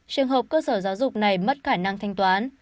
trường hợp cơ sở giáo dục này mất khả năng thanh toán